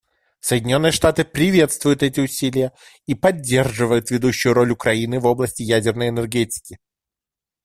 Соединенные Штаты приветствуют эти усилия и поддерживают ведущую роль Украины в области ядерной энергетики.